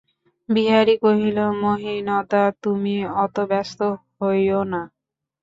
বিহারী কহিল, মহিনদা, তুমি অত ব্যস্ত হইয়ো না।